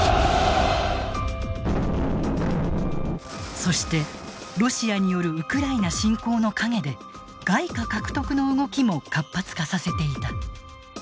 そしてロシアによるウクライナ侵攻の陰で外貨獲得の動きも活発化させていた。